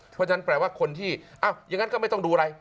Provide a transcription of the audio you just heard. เพราะฉะนั้นแปลว่าคนที่อ้าวอย่างนั้นก็ไม่ต้องดูอะไร